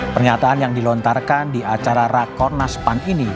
pernyataan yang dilontarkan di acara rakornas pan ini